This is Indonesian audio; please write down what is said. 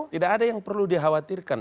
tidak ada yang perlu dikhawatirkan